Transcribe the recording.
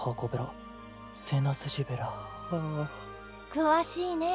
詳しいね。